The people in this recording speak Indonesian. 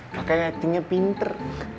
pakai actingnya pinter